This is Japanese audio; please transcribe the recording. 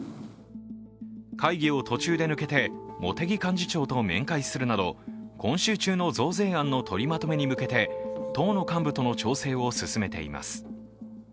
会議を途中で抜けて茂木幹事長と面会するなど今週中の増税案の取りまとめに向けて、党の幹部との調整を進めています。